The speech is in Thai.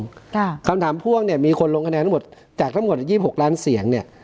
ค่ะคำถามพ่วงเนี่ยมีคนลงคะแนนทั้งหมดจากทั้งหมดยี่หกล้านเสียงเนี้ย